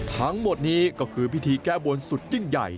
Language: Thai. ทั้งหมดนี้ก็คือพิธีแก้บนสุดยิ่งใหญ่